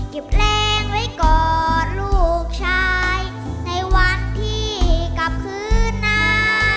เก็บแรงไว้กอดลูกชายในวันที่กลับคืนนาน